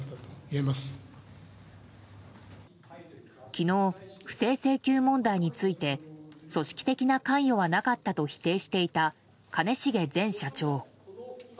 昨日、不正請求問題について組織的な関与はなかったと否定していた兼重前社長。